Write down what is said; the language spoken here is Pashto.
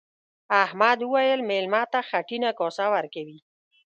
احمد وويل: مېلمه ته خټینه کاسه ورکوي.